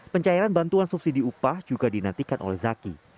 pencairan bantuan subsidi upah juga dinantikan oleh zaki